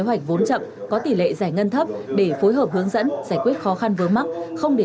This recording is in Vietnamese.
hoạch vốn chậm có tỷ lệ giải ngân thấp để phối hợp hướng dẫn giải quyết khó khăn vướng mắc không để